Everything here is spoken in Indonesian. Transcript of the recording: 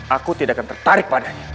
aku tidak akan tertarik padanya